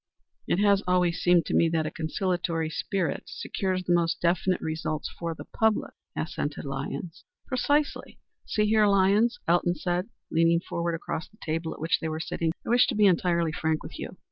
"It has always seemed to me that a conciliatory spirit secures the most definite results for the public," assented Lyons. "Precisely. See here, Lyons," Elton said, leaning forward across the table at which they were sitting, "I wish to be entirely frank with you.